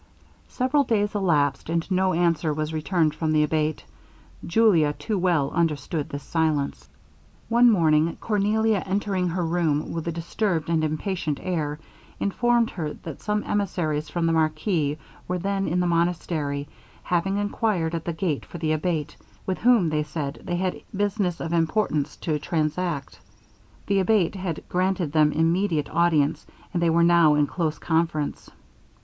Several days elapsed, and no answer was returned from the Abate. Julia too well understood this silence. One morning Cornelia entering her room with a disturbed and impatient air, informed her that some emissaries from the marquis were then in the monastery, having enquired at the gate for the Abate, with whom, they said, they had business of importance to transact. The Abate had granted them immediate audience, and they were now in close conference.